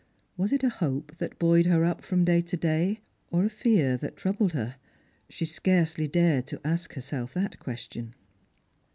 Was it a hope that buoyed her up from day to day, or a fear that troubled her ? She scarcely dared to ask herself that question.